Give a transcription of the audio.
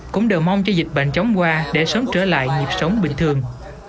cũng đều mong cho dịch bệnh chóng qua để sớm trở lại nhịp sống bình thường